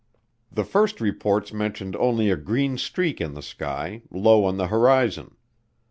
The first reports mentioned only a "green streak in the sky," low on the horizon.